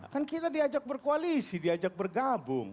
kan kita diajak berkoalisi diajak bergabung